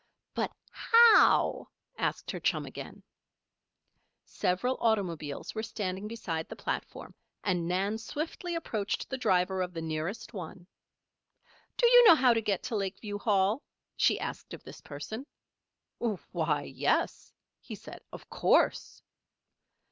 "But, how?" asked her chum again. Several automobiles were standing beside the platform and Nan swiftly approached the driver of the nearest one. "Do you know how to get to Lakeview Hall?" she asked of this person. "Why yes," he said. "Of course."